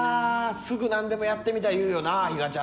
すぐ何でもやってみたい言うよな比嘉ちゃんな。